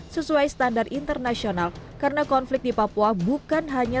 musuh rakyat bukan di papua